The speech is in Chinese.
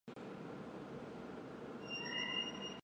历任大理寺丞。